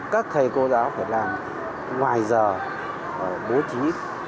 các thầy cô giáo phải làm ngoài giờ bố trí